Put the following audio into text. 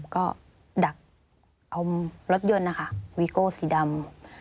ก็ดักรถยนต์ค่ะวิโก้สีดำ